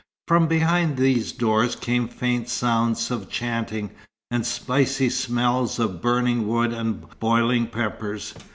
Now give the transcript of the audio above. From behind these doors came faint sounds of chanting, and spicy smells of burning wood and boiling peppers.